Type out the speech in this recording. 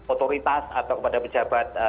otoritas atau kepada pejabat